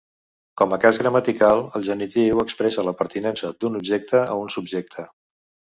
Com a cas gramatical, el genitiu expressa la pertinença d'un objecte a un subjecte.